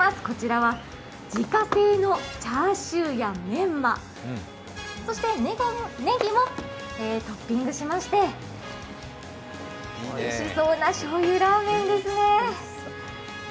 こちらは自家製のチャーシューやメンマ、そして、ねぎもトッピングしましておいしそうなしょうゆラーメンですね。